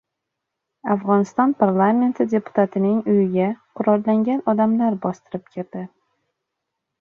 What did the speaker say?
Afg‘oniston parlamenti deputatining uyiga qurollangan odamlar bostirib kirdi